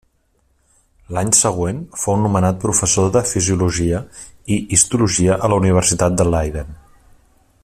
L'any següent fou nomenat professor de fisiologia i histologia a la Universitat de Leiden.